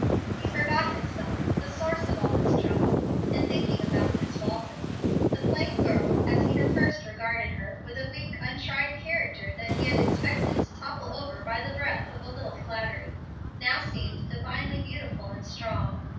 He forgot himself, the source of all his trouble, in thinking about Miss Walton. The plain girl, as he had at first regarded her, with a weak, untried character that he had expected to topple over by the breath of a little flattery, now seemed divinely beautiful and strong.